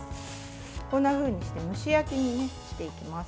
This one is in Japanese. こんなふうにして蒸し焼きにしていきます。